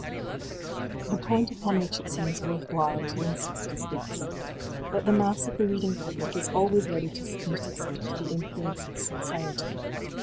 The point upon which it seems worth while to insist is this: That the mass of the reading public is always ready to submit itself to the influence of sincerity.